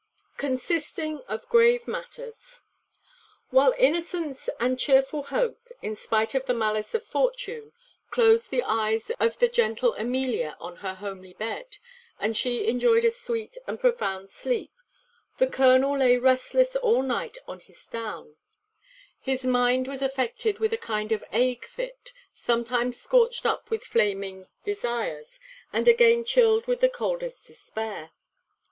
Consisting of grave matters. While innocence and chearful hope, in spite of the malice of fortune, closed the eyes of the gentle Amelia on her homely bed, and she enjoyed a sweet and profound sleep, the colonel lay restless all night on his down; his mind was affected with a kind of ague fit; sometimes scorched up with flaming desires, and again chilled with the coldest despair.